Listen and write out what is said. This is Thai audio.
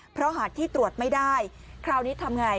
เพราะหาที่ตรวจไม่ได้คราวนี้ทำไง